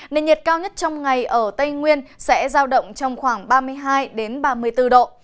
nền nhiệt cao nhất trong ngày ở tây nguyên sẽ giao động trong khoảng ba mươi hai ba mươi bốn độ